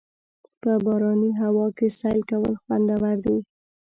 په باراني هوا کې سیل کول خوندور دي.